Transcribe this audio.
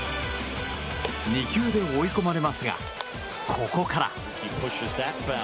２球で追い込まれますがここから。